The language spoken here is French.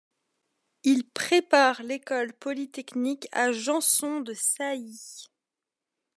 Il prépare l'Ecole Polytechnique à Janson-de-Sailly.